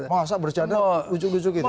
masa bercanda bucuk bucuk gitu